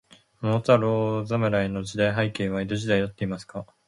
桃太郎侍の時代背景は、江戸時代であっていますか。